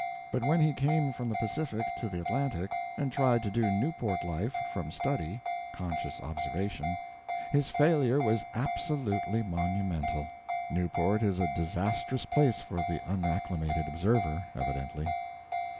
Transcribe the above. But when he came from the Pacific to the Atlantic and tried to do Newport life from study conscious observation his failure was absolutely monumental. Newport is a disastrous place for the unacclimated observer, evidently.